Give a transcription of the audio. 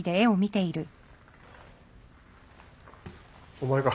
・お前か。